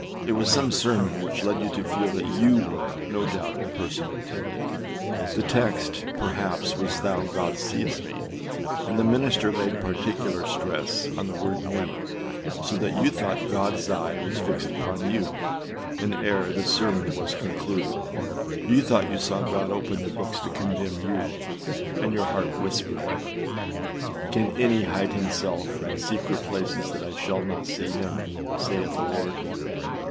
It was some sermon which led you to feel that you were, no doubt, the person intended. The text, perhaps, was âThou, God, seest me;â and the minister laid particular stress on the word âme,â so that you thought Godâs eye was fixed upon you, and ere the sermon was concluded, you thought you saw God open the books to condemn you, and your heart whispered, âCan any hide himself in secret places that I shall not see him? saith the Lord.